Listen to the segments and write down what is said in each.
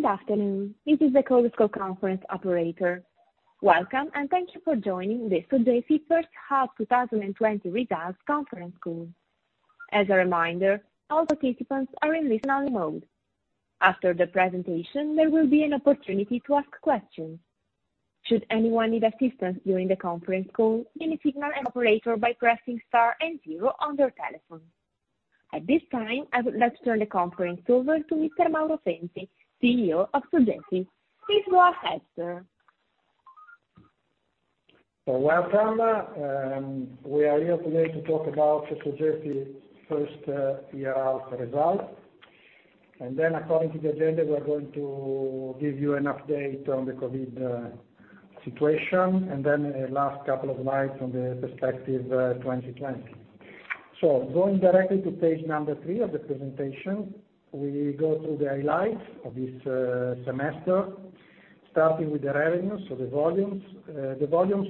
Good afternoon. This is the call conference operator. Welcome, and thank you for joining the Sogefi first half 2020 results conference call. As a reminder, all participants are in listen only mode. After the presentation, there will be an opportunity to ask questions. Should anyone need assistance during the conference call, please signal an operator by pressing star and zero on your telephone. At this time, I would like to turn the conference over to Mr. Mauro Fenzi, CEO of Sogefi. Please go ahead, sir. Welcome. We are here today to talk about Sogefi's first half results. According to the agenda, we are going to give you an update on the COVID situation, and a last couple of slides on the perspective 2020. Going directly to page three of the presentation, we go through the highlights of this semester, starting with the revenues. The volumes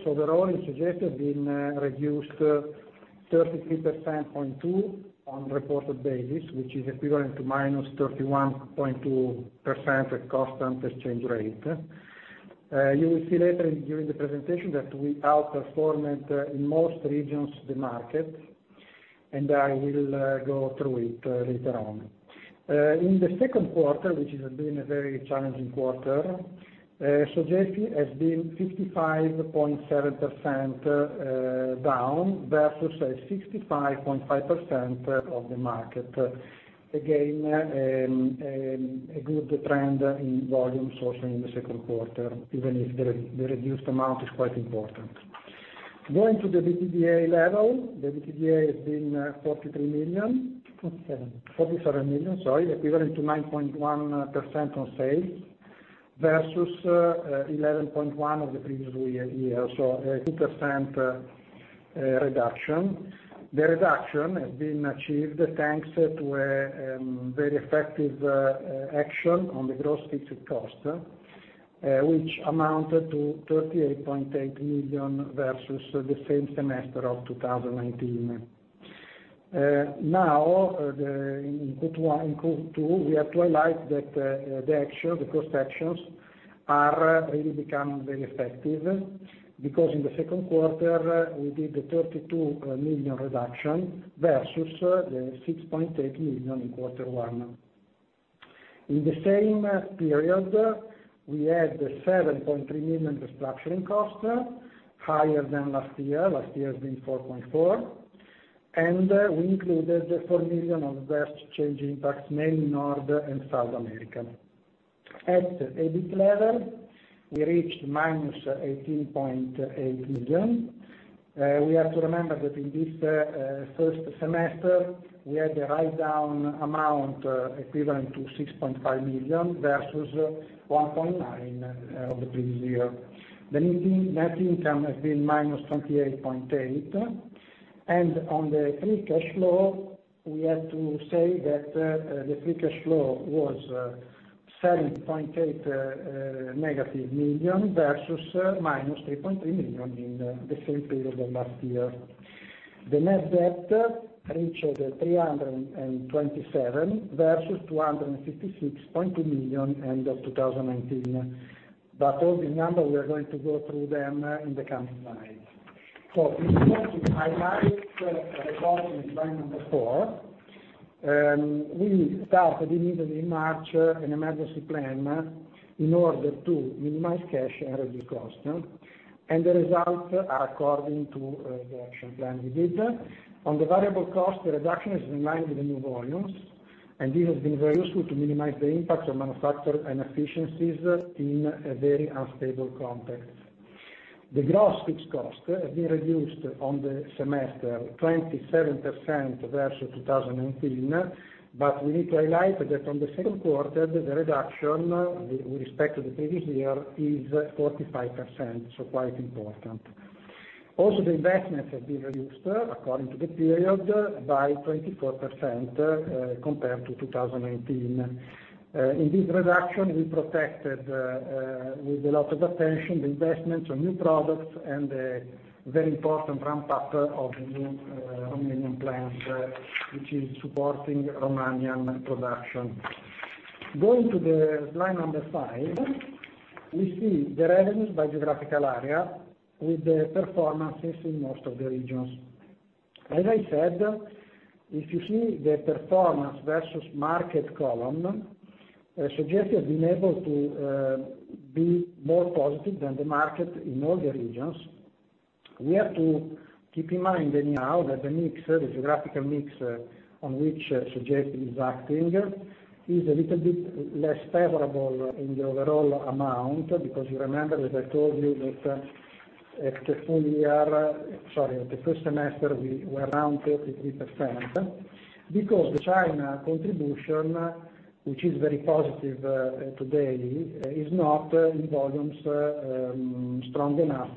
overall in Sogefi have been reduced 33.2% on reported basis, which is equivalent to -31.2% at constant exchange rate. You will see later during the presentation that we outperforming in most regions, the market, and I will go through it later on. In the second quarter, which has been a very challenging quarter, Sogefi has been 55.7% down versus 65.5% of the market. Again, a good trend in volumes also in the second quarter, even if the reduced amount is quite important. Going to the EBITDA level, the EBITDA has been 47 million, equivalent to 9.1% on sales versus 11.1% of the previous year. A 2% reduction. The reduction has been achieved thanks to a very effective action on the gross fixed cost, which amounted to 38.8 million versus the same semester of 2019. In Q2, we have to highlight that the cost actions are really becoming very effective, because in the second quarter, we did the 32 million reduction versus the 6.8 million in quarter one. In the same period, we had 7.3 million restructuring cost, higher than last year. Last year has been 4.4 million. We included 4 million of the exchange impacts, mainly North and South America. At EBIT level, we reached -18.8 million. We have to remember that in this first semester, we had a write-down amount equivalent to 6.5 million versus 1.9 million of the previous year. The net income has been -28.8 million. On the free cash flow, we have to say that the free cash flow was 70.8 negative million versus -3.3 million in the same period of last year. The net debt reaches 327 million versus 256.2 million end of 2019. All the numbers, we are going to go through them in the coming slides. If you want to highlight report in slide number four, we started immediately in March an emergency plan in order to minimize cash and reduce cost. The results are according to the action plan we did. On the variable cost, the reduction is in line with the new volumes, and this has been very useful to minimize the impact of manufacturer inefficiencies in a very unstable context. The gross fixed cost has been reduced on the semester, 27% versus 2019. We need to highlight that from the second quarter, the reduction, with respect to the previous year, is 45%, so quite important. Also, the investments have been reduced according to the period by 24% compared to 2019. In this reduction, we protected with a lot of attention the investments on new products and the very important ramp up of the new Romanian plant, which is supporting Romanian production. Going to the slide number five, we see the revenues by geographical area with the performances in most of the regions. As I said, if you see the performance versus market column, Sogefi has been able to be more positive than the market in all the regions. We have to keep in mind now that the geographical mix on which Sogefi is acting is a little bit less favorable in the overall amount, because you remember that I told you that at the first semester, we were around 33%, because the China contribution, which is very positive today, is not in volumes strong enough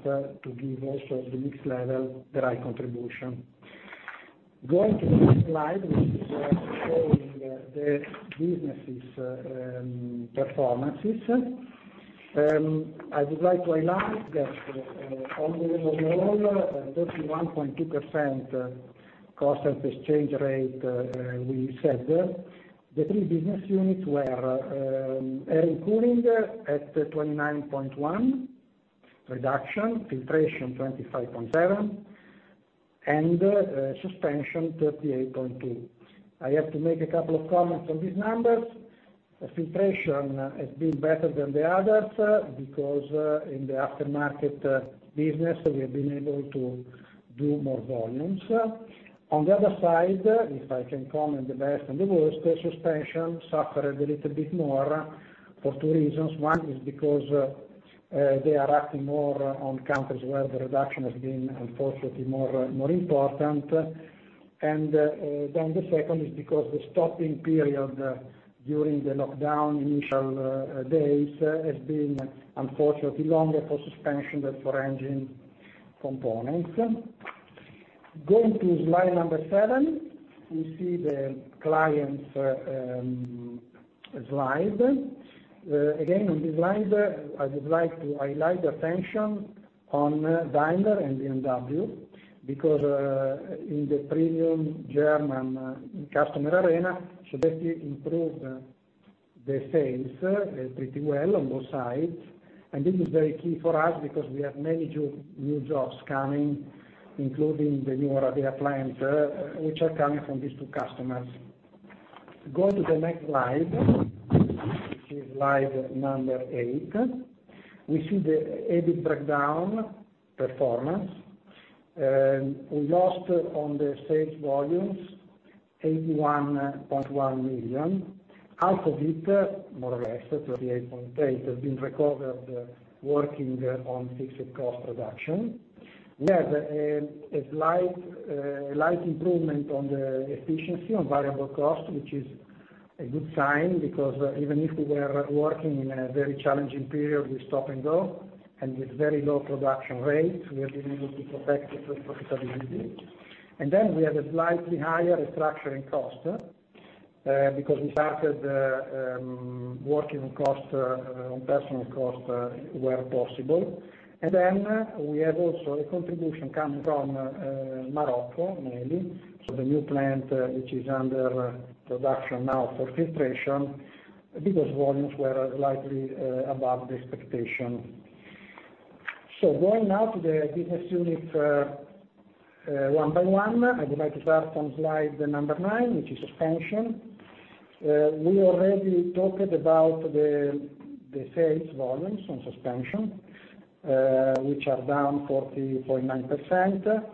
to give also the mix level the right contribution. Going to the next slide, which is showing the businesses' performances. I would like to analyze that, all in all, 31.2% constant exchange rate we said. The three business units were Air & Cooling at 29.1, reduction, Filtration 25.7, and Suspensions 38.2. I have to make a couple of comments on these numbers. Filtration has been better than the others, because in the aftermarket business, we have been able to do more volumes. On the other side, if I can comment the best and the worst, Suspensions suffered a little bit more for two reasons. One is because they are acting more on countries where the reduction has been unfortunately more important. The second is because the stopping period during the lockdown initial days has been unfortunately longer for Suspensions than for engine components. Going to slide number seven, we see the clients slide. Again, on this slide, I would like to highlight attention on Daimler and BMW, because in the premium German customer arena, Sogefi improved the sales pretty well on both sides. This is very key for us because we have many new jobs coming, including the newer new product plans, which are coming from these two customers. Go to the next slide, which is slide number eight. We see the EBIT breakdown performance. We lost on the sales volumes, 81.1 million. Half of it, more or less, 38.8, has been recovered working on fixed cost reduction. We had a slight improvement on the efficiency on variable cost, which is a good sign, because even if we were working in a very challenging period with stop and go and with very low production rates, we have been able to protect the profitability. We had a slightly higher restructuring cost, because we started working on personal cost where possible. We have also a contribution coming from Morocco, mainly. The new plant, which is under production now for Filtration, because volumes were slightly above the expectation. Going now to the business units one by one. I would like to start on slide number nine, which is Suspensions. We already talked about the sales volumes on Suspensions, which are down 40.9%. As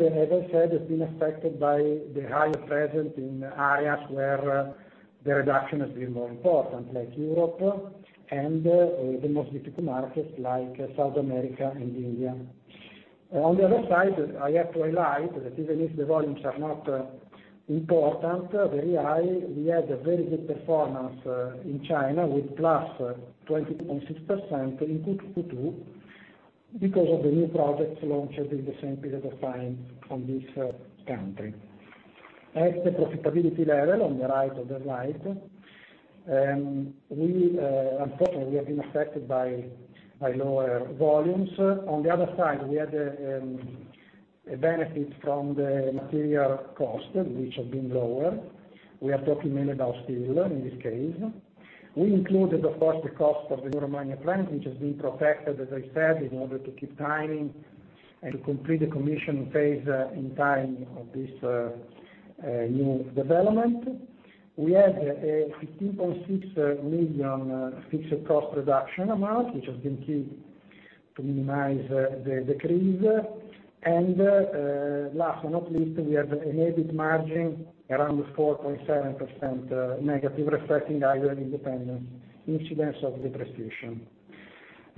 I said, it's been affected by the higher presence in areas where the reduction has been more important, like Europe and the most difficult markets like South America and India. On the other side, I have to highlight that even if the volumes are not important, very high, we had a very good performance in China with +20.6% in Q2 because of the new projects launched in the same period of time from this country. At the profitability level, on the right of the slide, unfortunately, we have been affected by lower volumes. On the other side, we had a benefit from the material cost, which have been lower. We are talking mainly about steel in this case. We included, of course, the cost of the new Romania plant, which has been protected, as I said, in order to keep timing and to complete the commissioning phase in time of this new development. We had a 15.6 million fixed cost reduction amount, which has been key to minimize the decrease. Last but not least, we have an EBIT margin around the 4.7% negative, reflecting higher incidence of depreciation.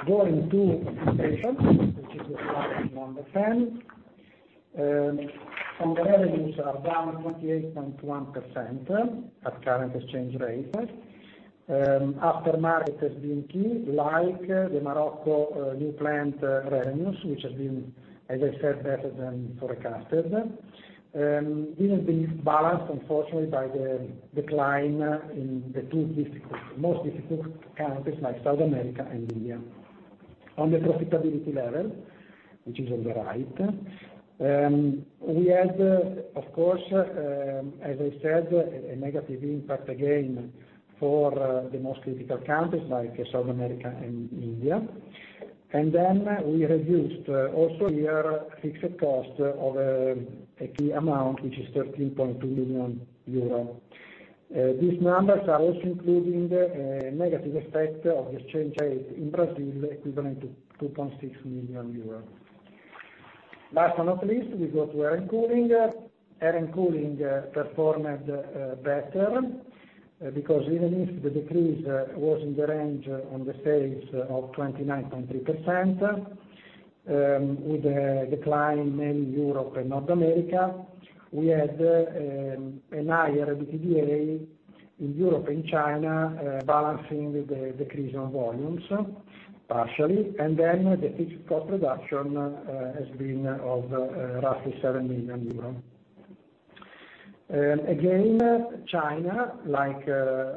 Going to Filtration, which is the slide number 10. On the revenues are down 28.1%, at current exchange rate. Aftermarket has been key, like the Morocco new plant revenues, which has been, as I said, better than forecasted. Didn't been balanced, unfortunately, by the decline in the two most difficult countries like South America and India. On the profitability level, which is on the right, we had, of course, as I said, a negative impact again for the most critical countries like South America and India. We reduced also here fixed cost of a key amount, which is 13.2 million euros. These numbers are also including a negative effect of exchange rate in Brazil, equivalent to 2.6 million euros. Last but not least, we go to Air & Cooling. Air & Cooling performed better, because even if the decrease was in the range on the sales of 29.3%, with a decline in Europe and North America, we had a higher EBITDA in Europe and China, balancing the decrease on volumes partially. The fixed cost reduction has been of roughly 7 million euros. China, like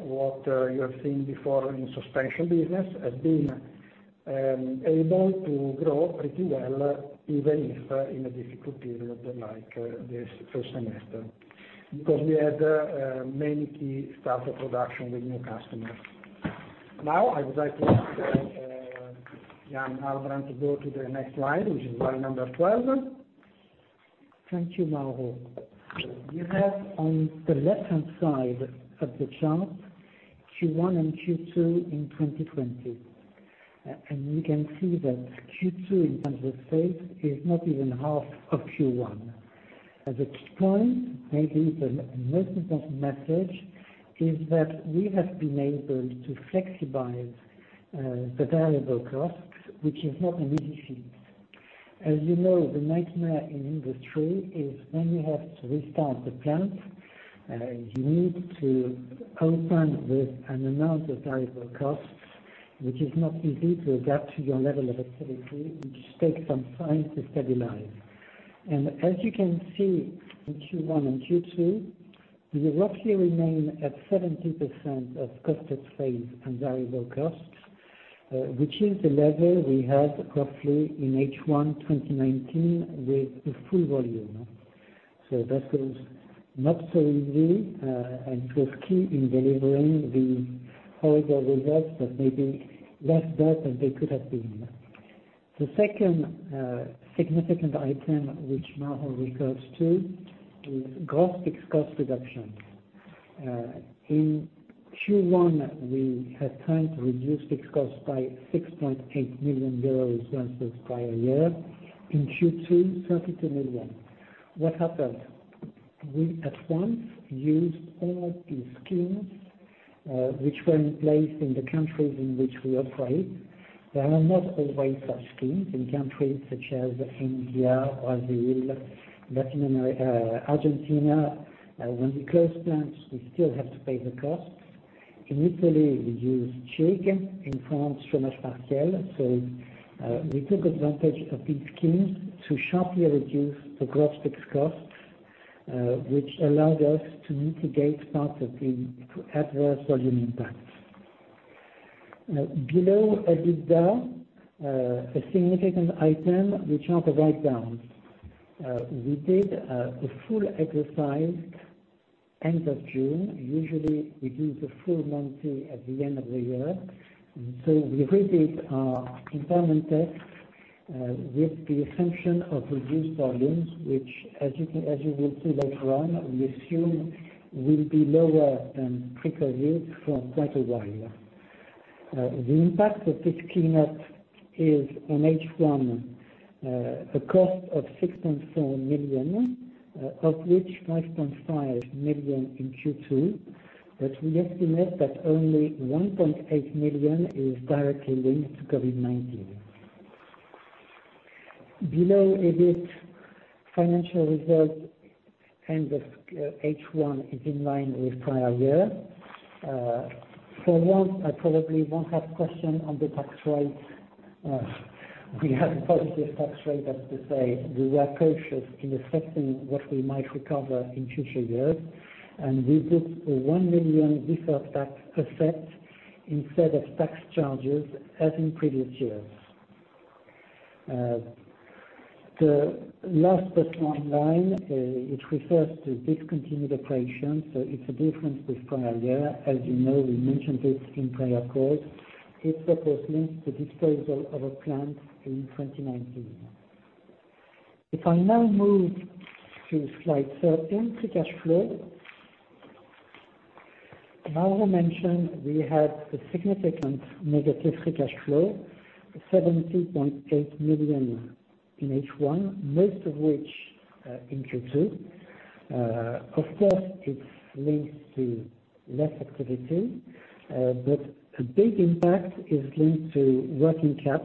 what you have seen before in Suspensions, has been able to grow pretty well, even if in a difficult period like this first semester. We had many key start of production with new customers. I would like to ask Yann Albrand to go to the next slide, which is slide number 12. Thank you, Mauro. You have on the left-hand side of the chart Q1 and Q2 in 2020. We can see that Q2 in terms of sales is not even half of Q1. The key point, maybe the most important message, is that we have been able to flexibilize the variable costs, which is not an easy feat. As you know, the nightmare in industry is when you have to restart the plant, you need to open with an amount of variable costs, which is not easy to adapt to your level of activity, which takes some time to stabilize. As you can see in Q1 and Q2, we roughly remain at 70% of cost of sales and variable costs, which is the level we had roughly in H1 2019 with the full volume. That goes not so easy, and it was key in delivering the EBITDA results that may be less bad than they could have been. The second significant item, which Mauro refers to, is gross fixed cost reduction. In Q1, we had time to reduce fixed costs by 6.8 million euros versus prior year. In Q2, 32 million. What happened? We at once used all the schemes, which were in place in the countries in which we operate. There are not always such schemes in countries such as India, Brazil, Argentina. When we close plants, we still have to pay the costs. In Italy, we used CIG. In France, we took advantage of these schemes to sharply reduce the gross fixed costs, which allowed us to mitigate part of the adverse volume impact. Below EBITDA, a significant item, which are the write-downs. We did a full exercise end of June. Usually, we do the full monthly at the end of the year. We redid our impairment test, with the assumption of reduced volumes, which as you will see later on, we assume will be lower than previous years for quite a while. The impact of this cleanup is in H1, a cost of 6.4 million, of which 5.5 million in Q2, but we estimate that only 1.8 million is directly linked to COVID-19. Below EBIT, financial results end of H1 is in line with prior year. For once, I probably won't have question on the tax rate. We have a positive tax rate. That's to say, we were cautious in assessing what we might recover in future years, and we booked a 1 million deferred tax asset instead of tax charges as in previous years. The last but not least line, it refers to discontinued operations. It's a difference with prior year. As you know, we mentioned it in prior calls. It refers links to disposal of a plant in 2019. If I now move to slide 13, free cash flow. Mauro mentioned we had a significant negative free cash flow, 70.8 million in H1, most of which in Q2. Of course, it's linked to less activity, but a big impact is linked to working cap.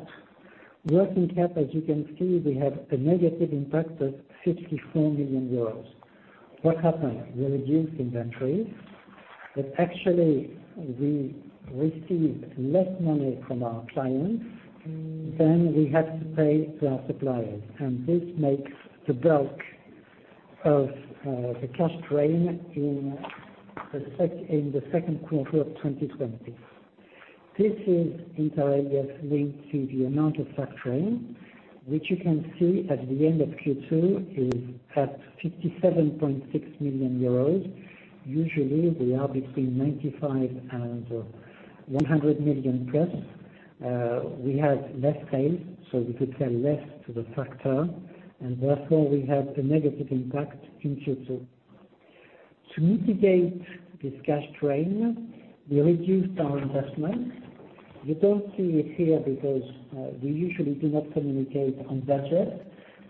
Working cap, as you can see, we had a negative impact of 64 million euros. What happened? We reduced inventory, but actually, we received less money from our clients than we had to pay to our suppliers. This makes the bulk of the cash drain in the second quarter of 2020. This is entirely linked to the amount of factoring, which you can see at the end of Q2 is at 57.6 million euros. Usually, we are between 95 million and 100 million plus. We had less sales, so we could sell less to the factor, and therefore we had a negative impact in Q2. To mitigate this cash drain, we reduced our investment. You don't see it here because, we usually do not communicate on budget,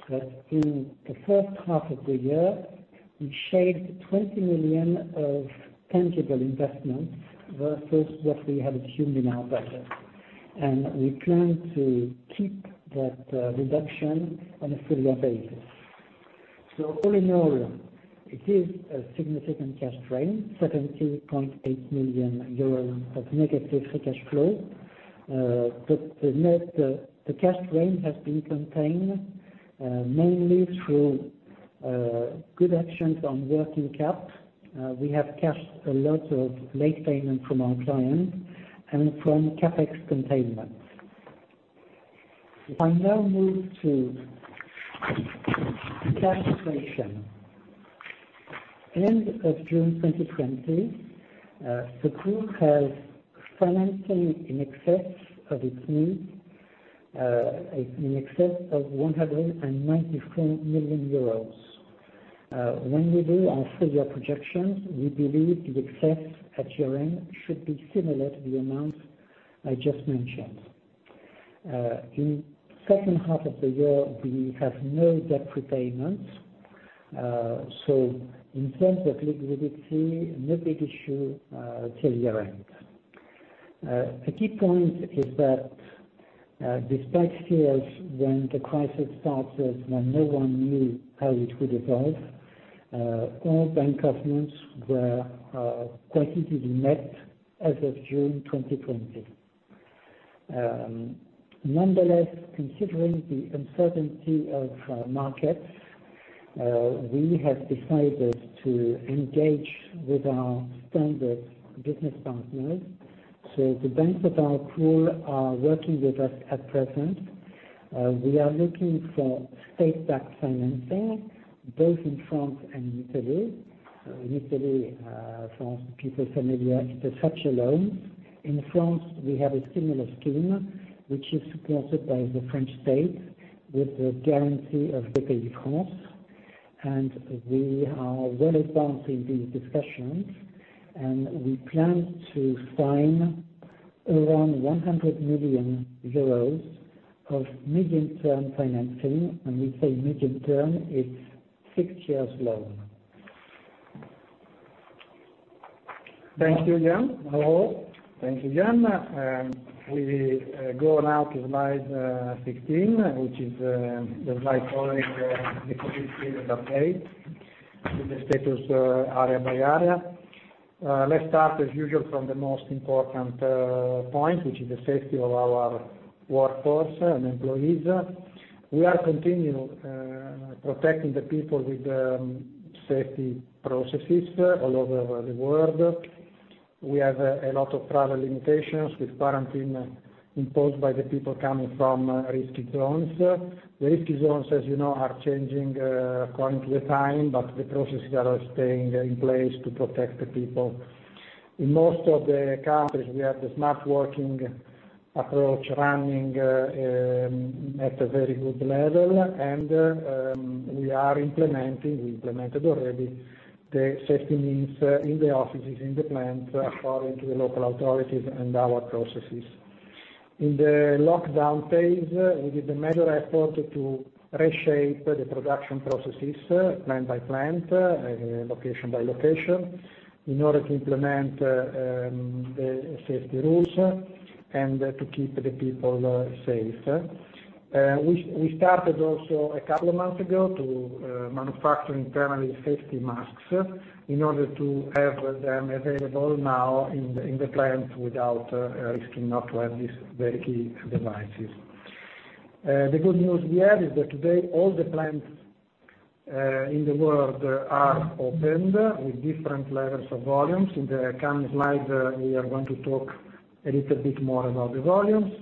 but in the first half of the year, we shaved 20 million of tangible investment versus what we had assumed in our budget. We plan to keep that reduction on a full-year basis. All in all, it is a significant cash drain, 70.8 million euros of negative free cash flow. The net cash drain has been contained, mainly through good actions on working cap. We have cashed a lot of late payments from our clients and from CapEx containment. If I now move to cash position. End of June 2020, the group has financing in excess of its needs, in excess of 194 million euros. When we do our full year projections, we believe the excess at year-end should be similar to the amount I just mentioned. In second half of the year, we have no debt repayments. In terms of liquidity, no big issue till year-end. A key point is that despite fears when the crisis started, when no one knew how it would evolve, all bank covenants were positively met as of June 2020. Nonetheless, considering the uncertainty of markets, we have decided to engage with our standard business partners. The banks of our group are working with us at present. We are looking for state-backed financing, both in France and Italy. Italy, France, people familiar, it's a structure loan. In France, we have a similar scheme, which is supported by the French state, with the guarantee of Bpifrance. We are well advanced in these discussions, and we plan to sign around 100 million euros of medium-term financing. When we say medium-term, it's six years loan. Thank you, Yann. Hello. Thank you, Yann. We go now to slide 16, which is the slide covering the COVID-19 period update, with the status area by area. Let's start, as usual, from the most important point, which is the safety of our workforce and employees. We are continuing protecting the people with safety processes all over the world. We have a lot of travel limitations, with quarantine imposed by the people coming from risky zones. The risky zones, as you know, are changing according to the time, but the processes are staying in place to protect the people. In most of the countries, we have the smart working approach running at a very good level, and we implemented already, the safety means in the offices, in the plant, according to the local authorities and our processes. In the lockdown phase, we did a major effort to reshape the production processes, plant by plant, location by location, in order to implement the safety rules and to keep the people safe. We started also a couple of months ago to manufacture internally safety masks in order to have them available now in the plants without risking not to have these very key devices. The good news we have is that today, all the plants in the world are opened with different levels of volumes. In the coming slides, we are going to talk a little bit more about the volumes.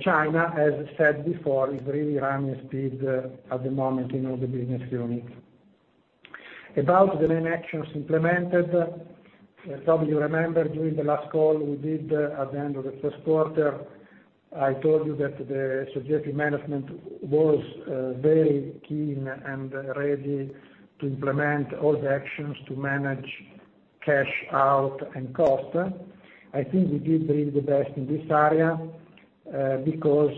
China, as I said before, is really running at speed at the moment in all the business units. About the main actions implemented, some of you remember during the last call we did at the end of the first quarter, I told you that the Sogefi management was very keen and ready to implement all the actions to manage cash out and cost. I think we did really the best in this area, because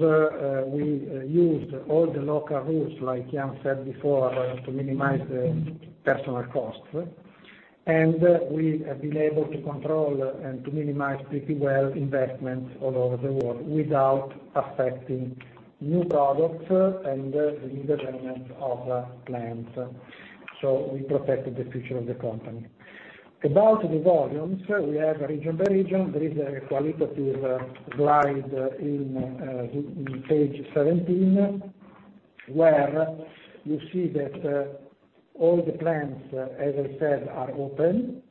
we used all the local rules, like Yann said before, to minimize personal costs. We have been able to control and to minimize pretty well investments all over the world, without affecting new products and the redevelopment of plants. We protected the future of the company. About the volumes, we have region by region. There is a qualitative slide in page 17, where you see that all the plants, as I said, are open.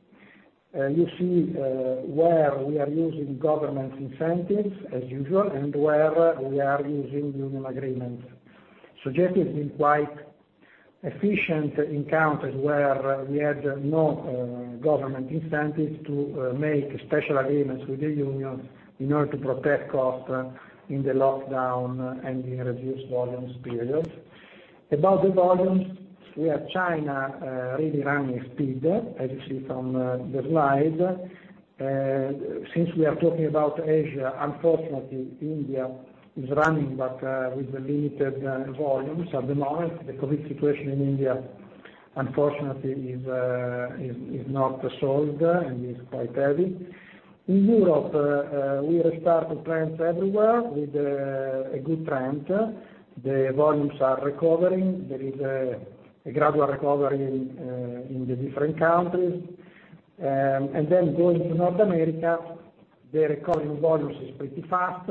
You see where we are using government incentives, as usual, and where we are using union agreements. Sogefi has been quite efficient in countries where we had no government incentives to make special agreements with the union in order to protect costs in the lockdown and in reduced volumes periods. About the volumes, we have China really running at speed, as you see from the slide. Since we are talking about Asia, unfortunately, India is running, but with limited volumes at the moment. The COVID-19 situation in India, unfortunately, is not solved and is quite heavy. In Europe, we restarted plants everywhere with a good trend. The volumes are recovering. There is a gradual recovery in the different countries. Going to North America, the recovery of volumes is pretty fast.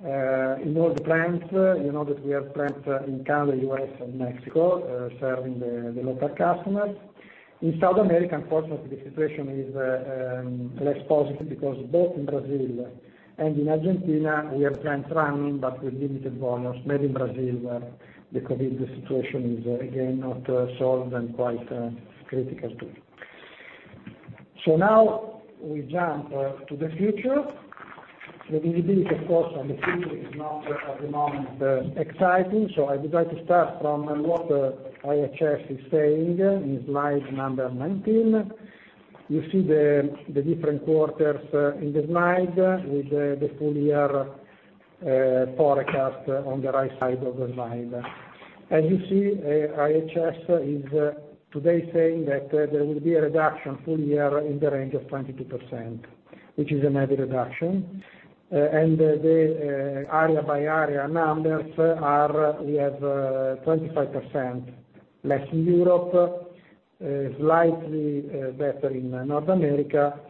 In all the plants, you know that we have plants in Canada, U.S., and Mexico, serving the local customers. In South America, unfortunately, the situation is less positive because both in Brazil and in Argentina, we have plants running, but with limited volumes. Maybe in Brazil, the COVID situation is again not solved and quite critical, too. Now, we jump to the future. The visibility, of course, on the future is not, at the moment, exciting. I decide to start from what IHS is saying in slide number 19. You see the different quarters in the slide, with the full-year forecast on the right side of the slide. As you see, IHS is today saying that there will be a reduction full year in the range of 22%, which is a heavy reduction. The area-by-area numbers, we have 25% less in Europe, slightly better in North America.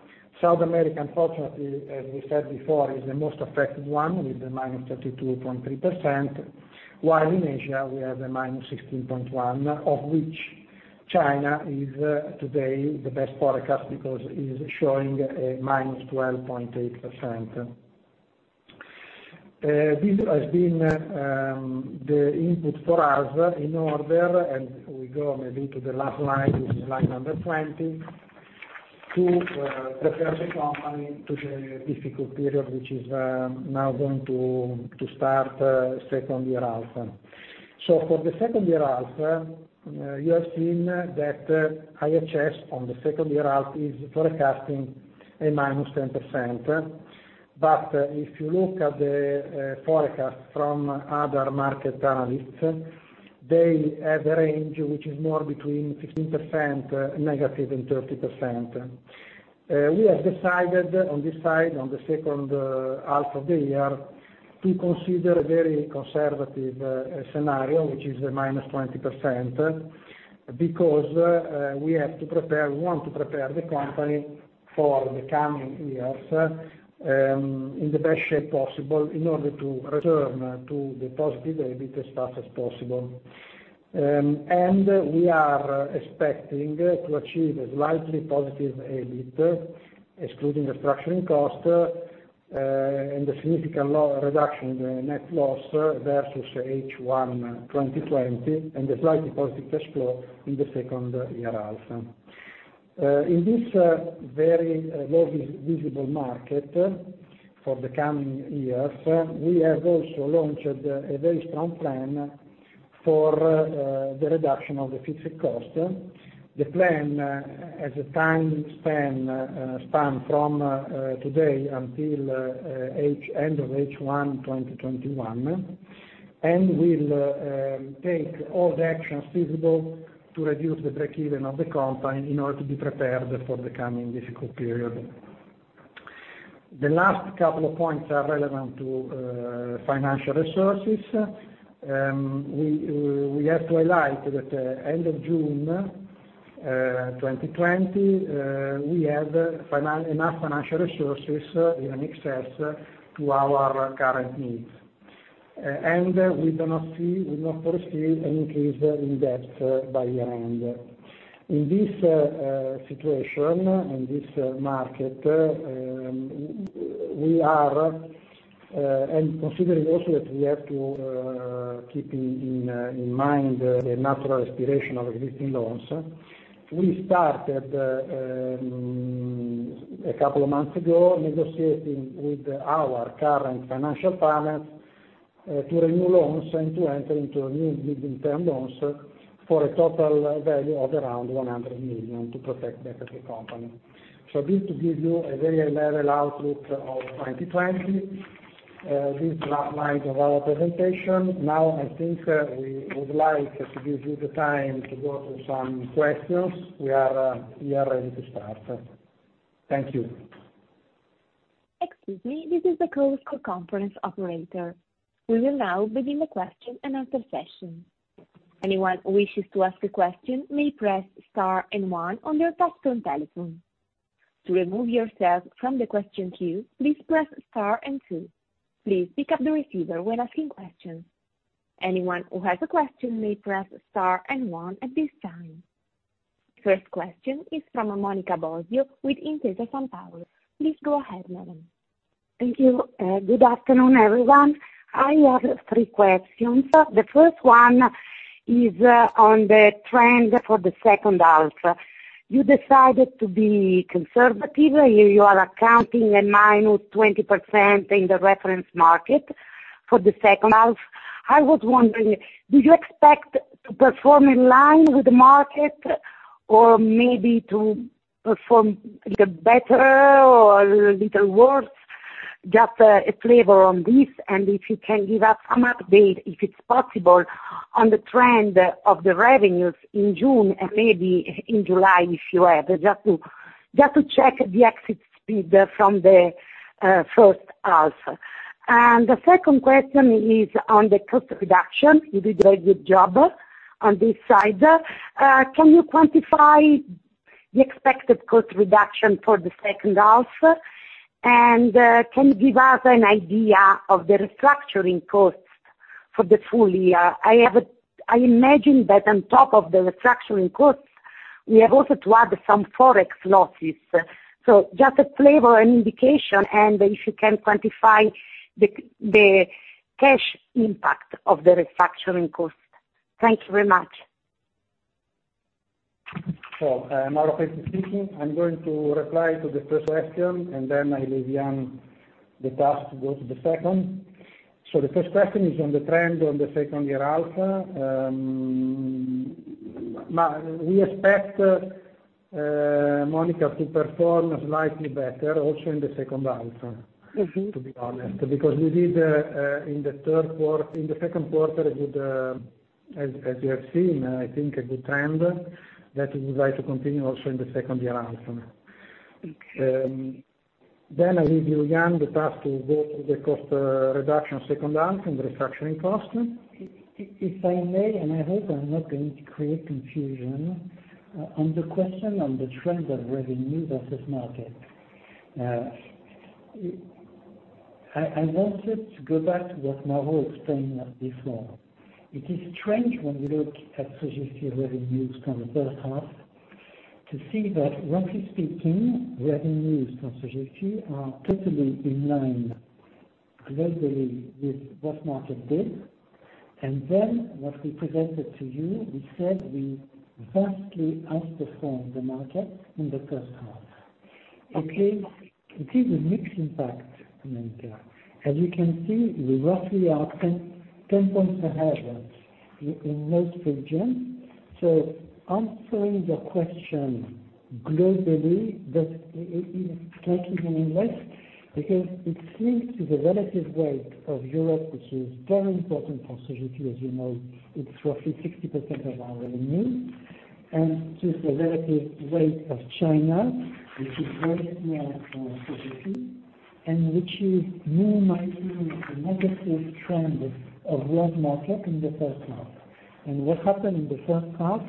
South America, unfortunately, as we said before, is the most affected one, with the -32.3%, while in Asia, we have a -16.1%, of which China is today the best forecast because it is showing a -12.8%. This has been the input for us in order, and we go maybe to the last slide, which is slide number 20, to prepare the company to the difficult period, which is now going to start second year half. For the second year half, you have seen that IHS on the second year half is forecasting a -10%. If you look at the forecast from other market analysts, they have a range which is more between 15% negative and 30%. We have decided on this side, on the second half of the year, to consider a very conservative scenario, which is a -20%, because we want to prepare the company for the coming years in the best shape possible in order to return to the positive EBIT as fast as possible. We are expecting to achieve a slightly positive EBIT, excluding the structuring cost, and a significant reduction in the net loss versus H1 2020, and a slightly positive cash flow in the second year half. In this very low visible market for the coming years, we have also launched a very strong plan for the reduction of the fixed cost. The plan has a time span from today until end of H1 2021, we'll take all the actions feasible to reduce the break-even of the company in order to be prepared for the coming difficult period. The last couple of points are relevant to financial resources. We have to highlight that end of June 2020, we have enough financial resources in excess to our current needs. We do not foresee an increase in debt by year-end. In this situation, in this market, considering also that we have to keep in mind the natural expiration of existing loans, we started, a couple of months ago, negotiating with our current financial partners to renew loans and to enter into new medium-term loans for a total value of around 100 million to protect better the company. This to give you a very high-level outlook of 2020. This last slide of our presentation. I think we would like to give you the time to go through some questions. We are ready to start. Thank you. Excuse me. This is the call conference operator. We will now begin the question and answer session. Anyone who wishes to ask a question may press star and one on their touch-tone telephone. To remove yourself from the question queue, please press star and two. Please pick up the receiver when asking questions. Anyone who has a question may press star and one at this time. First question is from Monica Bosio with Intesa SanPaolo. Please go ahead, madam. Thank you. Good afternoon, everyone. I have three questions. The first one is on the trend for the second half. You decided to be conservative. You are accounting a -20% in the reference market for the second half. I was wondering, do you expect to perform in line with the market or maybe to perform a little better or a little worse? Just a flavor on this. If you can give us some update, if it's possible, on the trend of the revenues in June and maybe in July, if you have, just to check the exit speed from the first half. The second question is on the cost reduction. You did a good job on this side. Can you quantify the expected cost reduction for the second half? Can you give us an idea of the restructuring costs for the full year? I imagine that on top of the restructuring costs, we have also to add some Forex losses. Just a flavor, an indication, and if you can quantify the cash impact of the restructuring cost. Thank you very much. Mauro Fenzi speaking. I'm going to reply to the first question, and then I leave Yann the task to go to the second. The first question is on the trend on the second year half. We expect, Monica, to perform slightly better also in the second half. To be honest. We did, in the second quarter, as you have seen, I think a good trend that we would like to continue also in the second year half. Okay. I leave you, Yann, the task to go to the cost reduction second half and the restructuring cost. If I may, and I hope I'm not going to create confusion, on the question on the trend of revenue versus market. I wanted to go back to what Mauro explained before. It is strange when you look at Sogefi revenues from the first half, to see that roughly speaking, revenues from Sogefi are totally in line globally with what market did. What we presented to you, we said we vastly outperformed the market in the first half. It is a mixed impact, Monica. As you can see, we roughly are 10 points ahead in most regions. Answering your question globally, but slightly less, because it's linked to the relative weight of Europe, which is very important for Sogefi, as you know, it's roughly 60% of our revenue. To the relative weight of China, which is very small for Sogefi, and which is minimizing the negative trend of world market in the first half. What happened in the first half,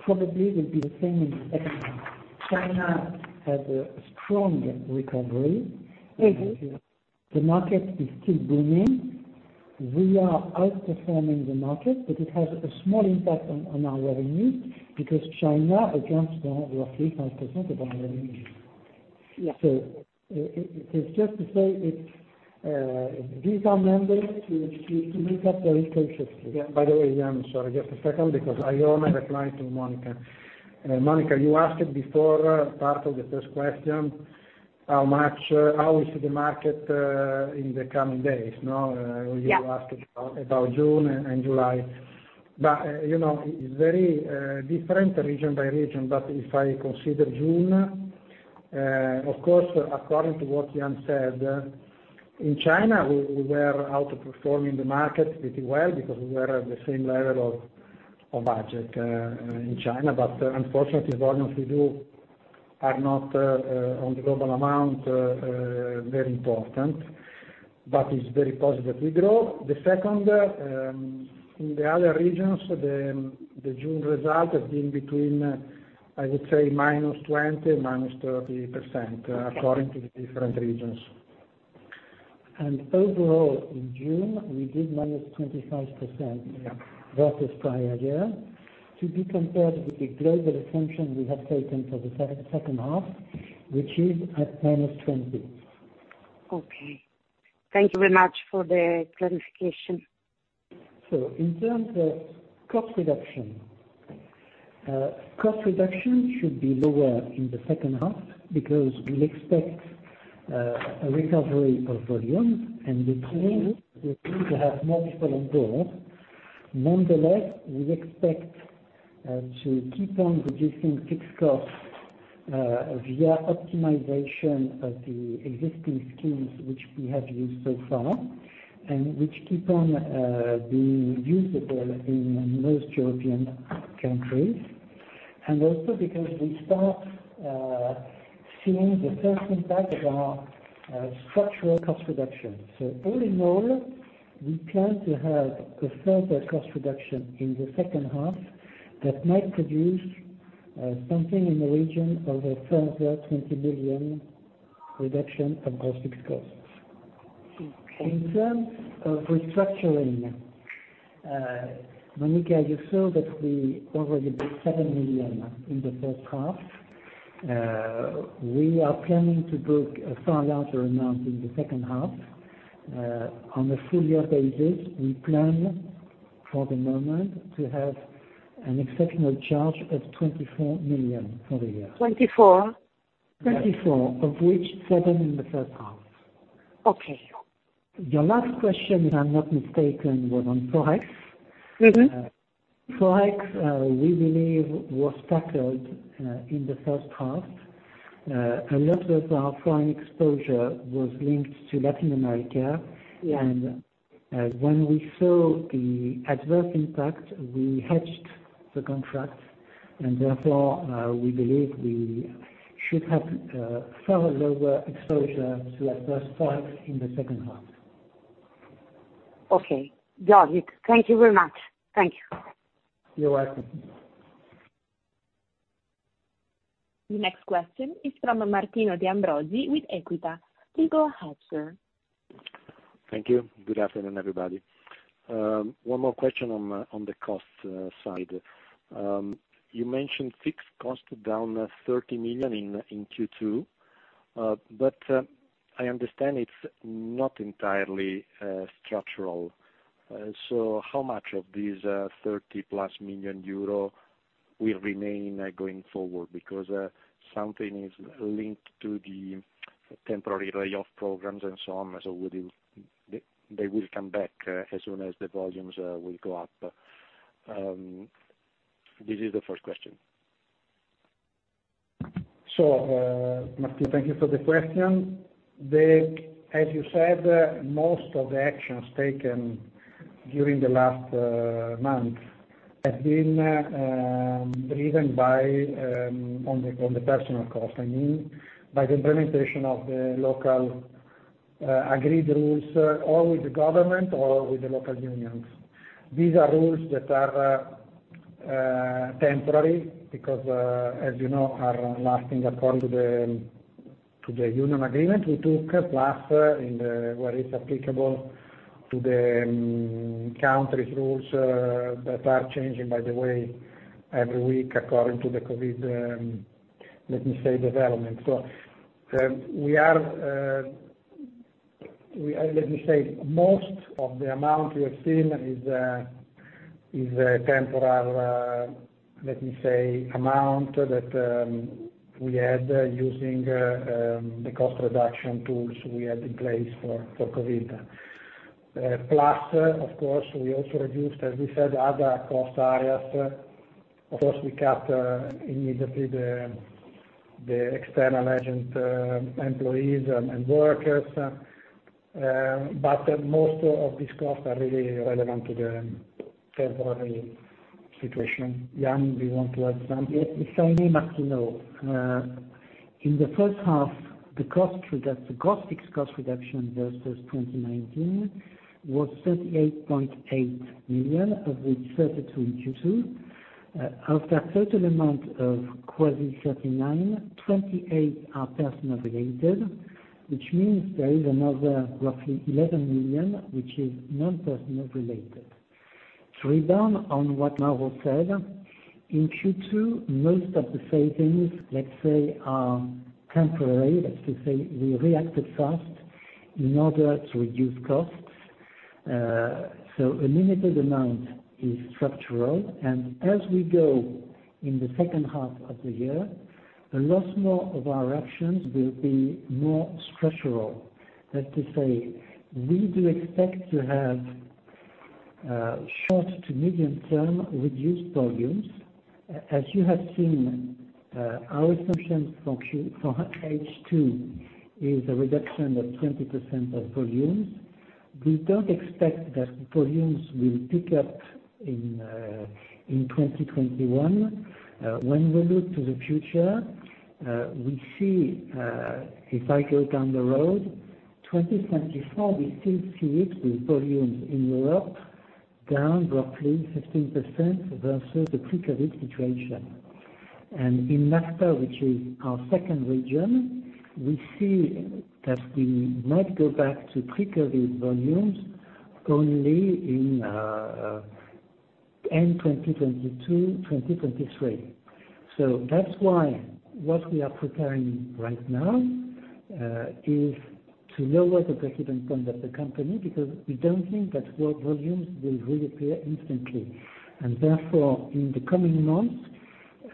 probably will be the same in the second half. China had a strong recovery. The market is still booming. We are outperforming the market, but it has a small impact on our revenue because China accounts for roughly 5% of our revenue. Yeah. It's just to say, these are numbers which you need to look at very cautiously. Yeah. By the way, Yann, sorry, just a second, because I want to reply to Monica. Monica, you asked before, part of the first question, how is the market, in the coming days, no? Yeah. You asked about June and July. It's very different region by region. If I consider June, of course, according to what Yann said, in China, we were outperforming the market pretty well because we were at the same level of budget, in China. Unfortunately, volumes we do are not, on the global amount, very important. It's very positive we grow. The second, in the other regions, the June result has been between, I would say -20%, -30%, according to the different regions. Overall, in June, we did -25% versus prior year. To be compared with the global assumption we have taken for the second half, which is at -20%. Okay. Thank you very much for the clarification. In terms of cost reduction. Cost reduction should be lower in the second half because we expect a recovery of volumes, and we prove to have multiple levers. Nonetheless, we expect to keep on reducing fixed costs, via optimization of the existing schemes which we have used so far, and which keep on being usable in most European countries. Also because we start seeing the first impact of our structural cost reduction. All in all, we plan to have a further cost reduction in the second half that might produce something in the region of a further 20 million reduction of our fixed costs. Okay. In terms of restructuring, Monica, you saw that we already booked 7 million in the first half. We are planning to book a far larger amount in the second half. On a full year basis, we plan for the moment to have an exceptional charge of 24 million for the year. 24 million? 24 million, of which seven in the first half. Okay. Your last question, if I'm not mistaken, was on Forex. Forex, we believe was tackled in the first half. A lot of our foreign exposure was linked to Latin America. Yeah. When we saw the adverse impact, we hedged the contract, therefore, we believe we should have far lower exposure to adverse Forex in the second half. Okay. Got it. Thank you very much. Thank you. You're welcome. The next question is from Martino De Ambroggi with EQUITA. Please go ahead, sir. Thank you. Good afternoon, everybody. One more question on the cost side. You mentioned fixed cost down 30 million in Q2, I understand it's not entirely structural. How much of this 30+ million euro will remain going forward? Something is linked to the temporary layoff programs and so on, they will come back as soon as the volumes will go up. This is the first question. Martino, thank you for the question. As you said, most of the actions taken during the last month have been driven by, on the personal cost, I mean, by the implementation of the local agreed rules, or with the government or with the local unions. These are rules that are temporary because, as you know, are lasting according to the union agreement we took, plus, where it's applicable, to the country's rules that are changing, by the way, every week according to the COVID, let me say, development. Let me say, most of the amount you have seen is a temporal amount that we had using the cost reduction tools we had in place for COVID. Plus, of course, we also reduced, as we said, other cost areas. Of course, we cut immediately the external agent employees and workers. Most of these costs are really relevant to the February situation. Yann, do you want to add something? Yes. If I may, Martino. In the first half, the fixed cost reduction versus 2019 was 38.8 million, of which 32 million in Q2. Of that total amount of quasi 39 million, 28 million are personnel related, which means there is another roughly 11 million, which is non-personnel related. To rebound on what Mauro said, in Q2, most of the savings, let's say, are temporary. That's to say, we reacted fast in order to reduce costs. A limited amount is structural. As we go in the second half of the year, a lot more of our actions will be more structural. That's to say, we do expect to have short to medium term reduced volumes. As you have seen, our assumption for H2 is a reduction of 20% of volumes. We don't expect that volumes will pick up in 2021. When we look to the future, we see a cycle down the road, 2024, we still see it with volumes in Europe down roughly 15% versus the pre-COVID situation. In NAFTA, which is our second region, we see that we might go back to pre-COVID volumes only in end 2022, 2023. That's why what we are preparing right now is to lower the breakeven point of the company, because we don't think that work volumes will reappear instantly. Therefore, in the coming months,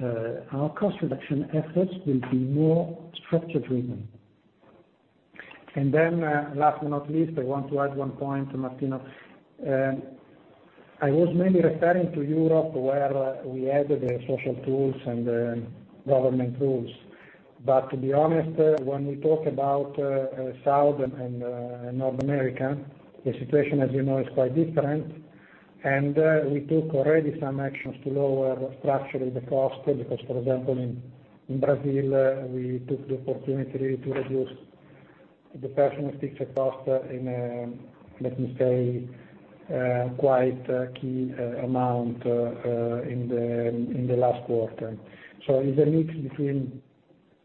our cost reduction efforts will be more structure driven. Last but not least, I want to add one point, Martino. I was mainly referring to Europe, where we had the social tools and government tools. To be honest, when we talk about South and North America, the situation, as you know, is quite different. We took already some actions to lower structurally the cost, because, for example, in Brazil, we took the opportunity to reduce the personal fixed cost in, let me say, quite a key amount in the last quarter. It's a mix between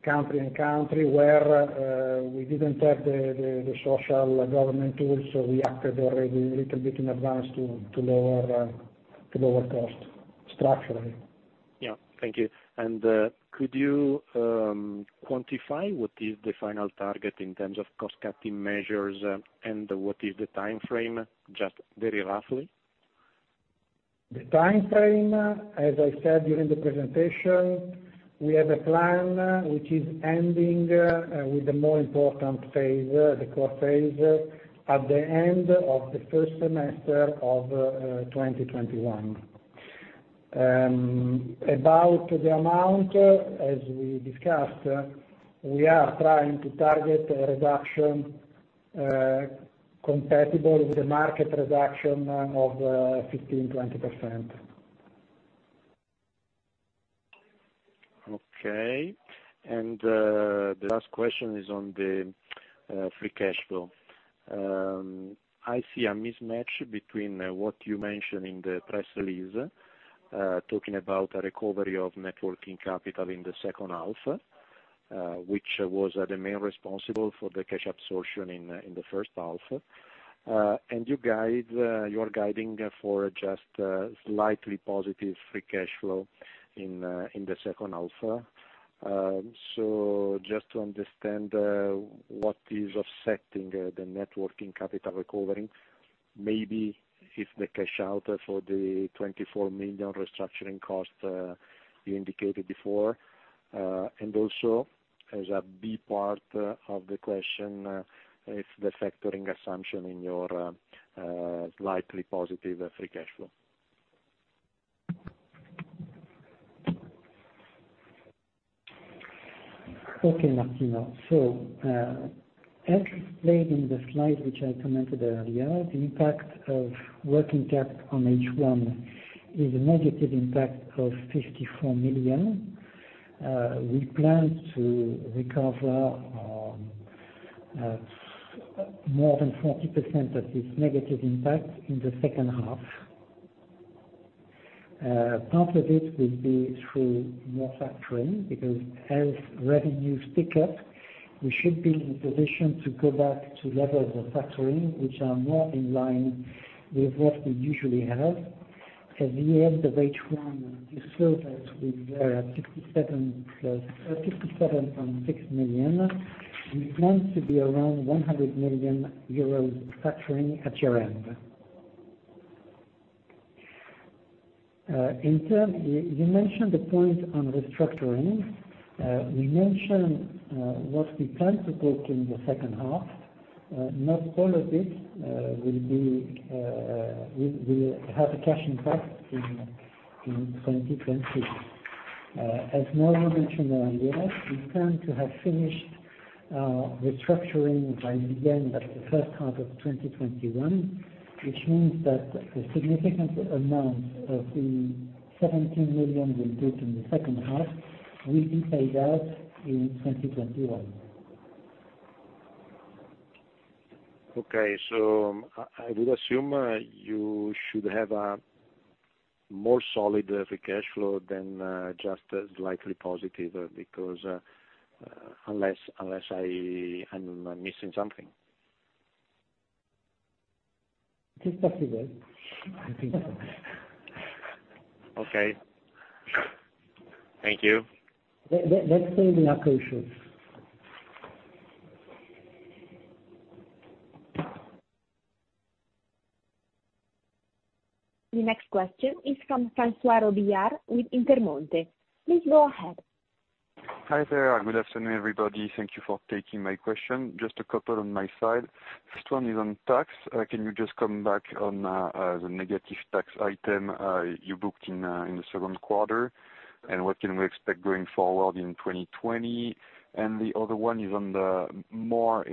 country and country, where we didn't have the social government tools, so we acted already a little bit in advance to lower cost structurally. Yeah. Thank you. Could you quantify what is the final target in terms of cost cutting measures and what is the timeframe? Just very roughly. The timeframe, as I said during the presentation, we have a plan which is ending with the more important phase, the core phase, at the end of the first semester of 2021. About the amount, as we discussed, we are trying to target a reduction compatible with the market reduction of 15%-20%. Okay. The last question is on the free cash flow. I see a mismatch between what you mention in the press release, talking about a recovery of networking capital in the second half, which was the main responsible for the cash absorption in the first half. You're guiding for just slightly positive free cash flow in the second half. Just to understand, what is offsetting the networking capital recovery, maybe if the cash out for the 24 million restructuring cost you indicated before. Also, as a B part of the question, if the factoring assumption in your slightly positive free cash flow. Okay, Martino. As explained in the slide, which I commented earlier, the impact of working capital on H1 is a negative impact of 54 million. We plan to recover more than 40% of this negative impact in the second half. Part of it will be through more factoring, because as revenues pick up, we should be in a position to go back to levels of factoring, which are more in line with what we usually have. At the end of H1, this service with 67.6 million, we plan to be around 100 million euros factoring at year-end. You mentioned the point on restructuring. We mentioned what we plan to take in the second half. Not all of it will have a cash impact in 2020. As Mauro mentioned earlier, we plan to have finished restructuring by the end of the first half of 2021, which means that a significant amount of the 17 million we took in the second half will be paid out in 2021. Okay. I would assume you should have a more solid free cash flow than just slightly positive because, unless I am missing something. It is possible. Okay. Thank you. That's certainly our approach. The next question is from Francois Robillard with Intermonte. Please go ahead. Hi there. Good afternoon, everybody. Thank you for taking my question. Just a couple on my side. First one is on tax. Can you just come back on the negative tax item you booked in the second quarter? What can we expect going forward in 2020? The other one is, more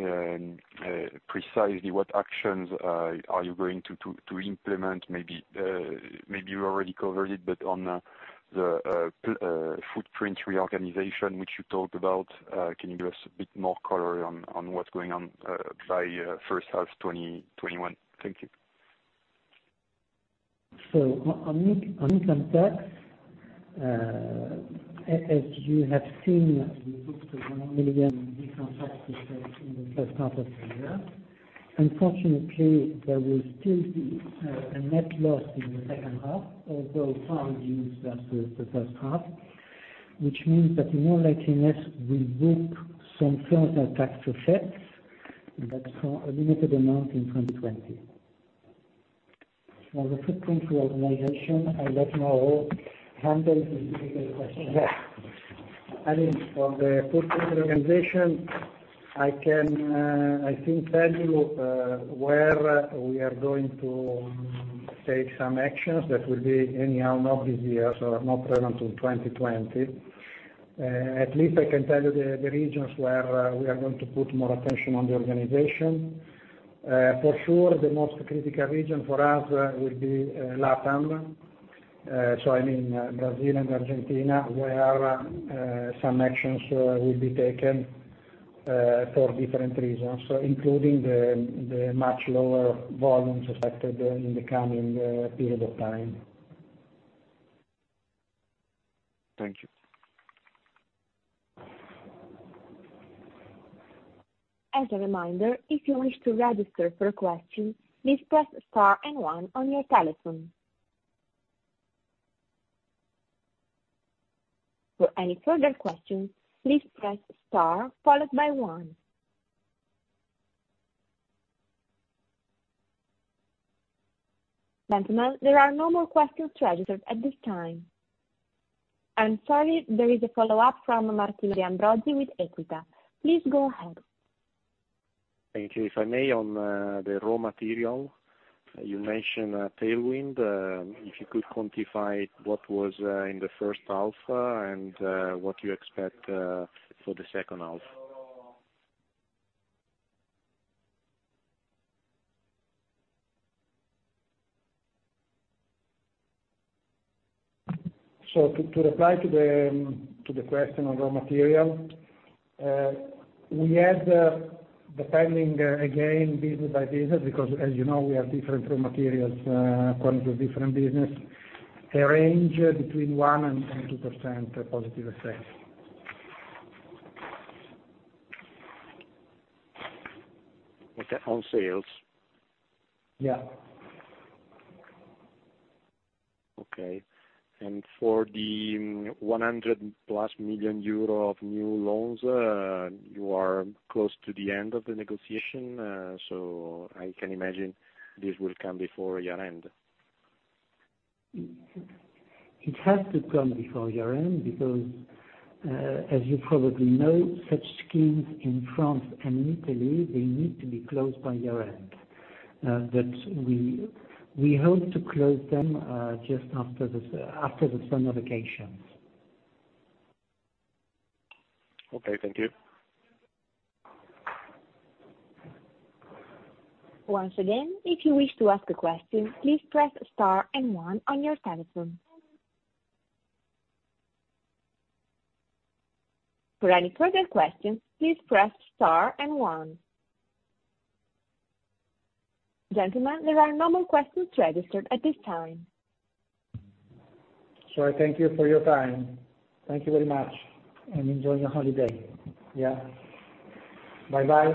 precisely, what actions are you going to implement, maybe you already covered it, but on the footprint reorganization, which you talked about, can you give us a bit more color on what's going on by first half 2021? Thank you. On income tax, as you have seen, we booked 1 million income tax effect in the first half of the year. Unfortunately, there will still be a net loss in the second half, although far reduced versus the first half, which means that in all likeliness, we book some further tax effects, but for a limited amount in 2020. For the footprint reorganization, I'll let Mauro handle the difficult question. I mean, for the footprint reorganization, I can, I think, tell you where we are going to take some actions that will be anyhow not this year, not relevant to 2020. At least I can tell you the regions where we are going to put more attention on the organization. For sure, the most critical region for us will be LATAM. I mean, Brazil and Argentina, where some actions will be taken for different reasons, including the much lower volumes affected in the coming period of time. Thank you. As a reminder, if you wish to register for a question, please press star and one on your telephone. For any further questions, please press star followed by one. Gentlemen, there are no more questions registered at this time. I'm sorry, there is a follow-up from Martino De Ambroggi with EQUITA. Please go ahead. Thank you. If I may, on the raw material, you mentioned a tailwind, if you could quantify what was in the first half and what you expect for the second half? To reply to the question on raw material, we had the timing, again, business by business, because as you know, we have different raw materials according to different business, a range between 1% and 2% positive effect. Okay. On sales? Yeah. Okay. For the 100+ million euro of new loans, you are close to the end of the negotiation, I can imagine this will come before year-end. It has to come before year-end because, as you probably know, such schemes in France and in Italy, they need to be closed by year-end. We hope to close them just after the summer vacations. Okay, thank you. Once again, if you wish to ask a question, please press star and one on your telephone. For any further questions, please press star and one. Gentlemen, there are no more questions registered at this time. I thank you for your time. Thank you very much, and enjoy your holiday. Yeah. Bye-bye.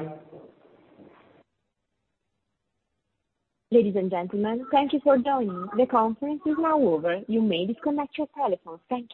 Ladies and gentlemen, thank you for joining. The conference is now over. You may disconnect your telephones. Thank you.